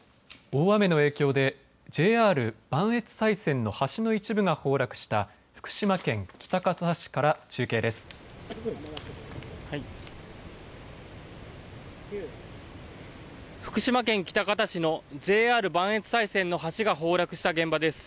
大雨の影響でＪＲ磐越西線の橋の一部が崩落した福島県喜多方市から中継です。